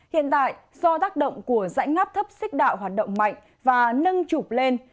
hiện tại do tác động của dãnh ngáp thấp xích đạo hoạt động mạnh và nâng trục lên